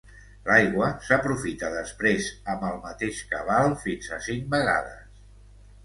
L'aigua s'aprofita després amb el mateix cabal fins a cinc vegades.